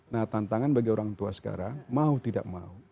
nah tantangan bagi orang tua sekarang mau tidak mau